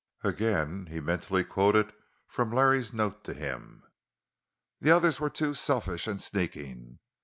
Again he mentally quoted from Larry's note to him: The others were too selfish and sneaking.